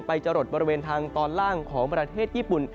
จะหลดบริเวณทางตอนล่างของประเทศญี่ปุ่น